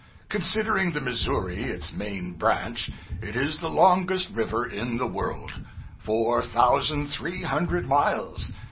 Considering the Missouri its main branch, it is the longest river in the world four thousand three hundred miles.